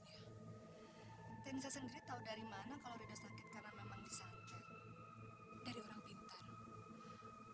hai dan saya sendiri tahu dari mana kalau sudah sakit karena memang bisa dari orang pintar